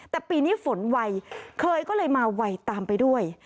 แต่ปีนี้ฝนไวเคยก็เลยมาไวตามไปด้วย